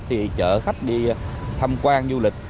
thì chở khách đi tham quan du lịch